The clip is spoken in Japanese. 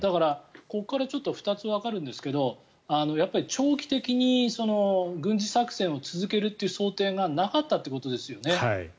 ここから２つわかるんですけどやっぱり長期的に軍事作戦を続けるという想定がなかったということですよね。